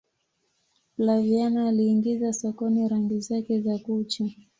flaviana aliingiza sokoni rangi zake za kucha